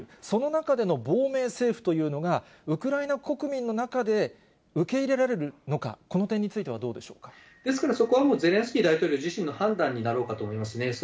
その中での亡命政府というのが、ウクライナ国民の中で受け入れられるのか、この点についてはどうですから、そこはもうゼレンスキー大統領自身の判断になろうかと思いますね。